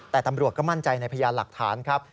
แต่ตำรวจก็มั่นใจในพยานหลักฐานครับ